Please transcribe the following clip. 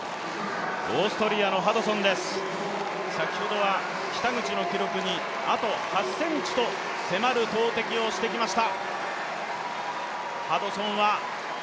オーストリアのハドソンです、先ほどは北口の記録にあと８ｃｍと迫る投てきをしてきました。